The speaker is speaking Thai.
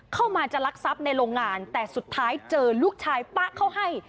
เข้ามาจะลักทรัพย์ในโรงงานแต่สุดท้ายเจอลูกชายปะเข้าให้